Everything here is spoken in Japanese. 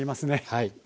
はい。